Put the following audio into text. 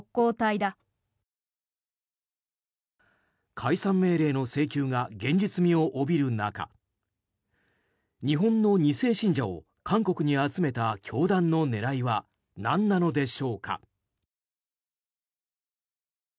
解散命令の請求が現実味を帯びる中日本の２世信者を韓国に集めた教団の狙いはなんなのでしょうか。